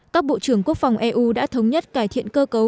các bộ trưởng quốc phòng eu đã thống nhất cải thiện cơ cấu của chính sách